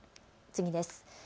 次です。